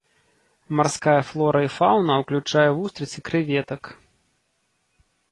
Марская флора і фаўна ўключае вустрыц і крэветак.